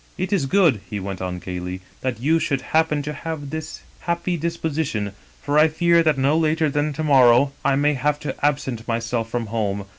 "* It is good,' he went on gayly, * that you should hap pen to have this happy disposition, for I fear that, no later than to morrow, I may have to absent myself from home.